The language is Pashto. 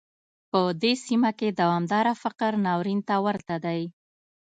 په دې سیمه کې دوامداره فقر ناورین ته ورته دی.